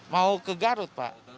mau ke garut pak